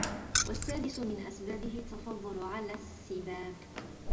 وَالسَّادِسُ مِنْ أَسْبَابِهِ التَّفَضُّلُ عَلَى السِّبَابِ